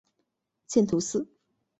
见图四。